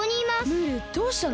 ムールどうしたの？